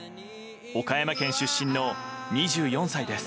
岡山県出身の２４歳です。